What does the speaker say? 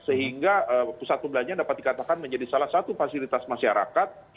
sehingga pusat perbelanjaan dapat dikatakan menjadi salah satu fasilitas masyarakat